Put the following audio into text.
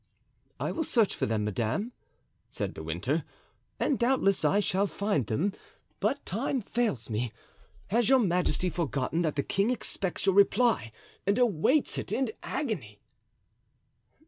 "I will search for them, madame," said De Winter "and doubtless I shall find them; but time fails me. Has your majesty forgotten that the king expects your reply and awaits it in agony?"